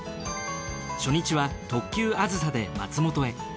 初日は特急あずさで松本へ。